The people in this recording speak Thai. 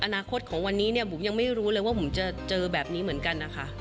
อนาคตของวันนี้เนี่ยบุ๋มยังไม่รู้เลยว่าผมจะเจอแบบนี้เหมือนกันนะคะ